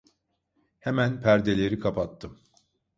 Hemen perdeleri kapattım.